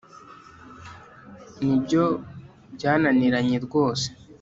nibyo byananiranye rwose